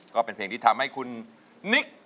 ก็เป็นเพลงที่ทำให้คุณนิก